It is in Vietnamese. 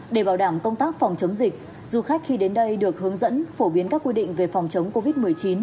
để bảo đảm công tác phòng chống dịch du khách khi đến đây được hướng dẫn phổ biến các quy định về phòng chống covid một mươi chín